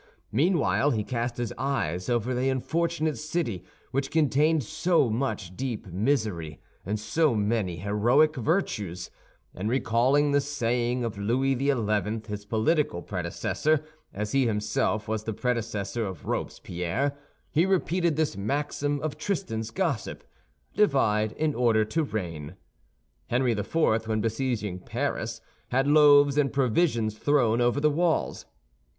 Meanwhile, he cast his eyes over that unfortunate city, which contained so much deep misery and so many heroic virtues, and recalling the saying of Louis XI., his political predecessor, as he himself was the predecessor of Robespierre, he repeated this maxim of Tristan's gossip: "Divide in order to reign." Henry IV., when besieging Paris, had loaves and provisions thrown over the walls.